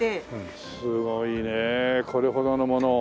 すごいねこれほどのものを。